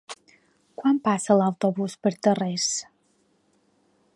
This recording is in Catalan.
Quan passa l'autobús per Tarrés?